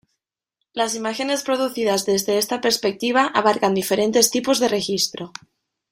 Las imágenes producidas desde esta perspectiva abarcan diferentes tipos de registro.